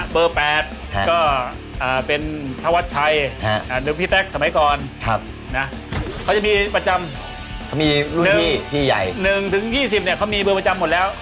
เบอร์๘เป็นธวัดชัยหรือพี่แตกสมัยก่อนเขาจะมีประจำมี๑ถึง๒๐เขามีเบอร์ประจำหมดหมดแล้ว